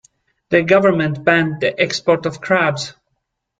The government banned the export of crabs.